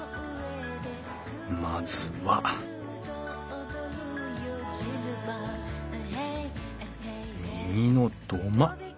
まずは右の土間。